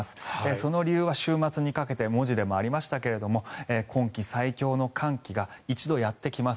その理由は週末にかけて文字でもありましたが今季最強の寒気が一度やってきます。